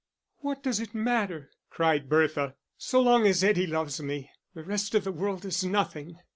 "What does it matter?" cried Bertha. "So long as Eddie loves me, the rest of the world is nothing."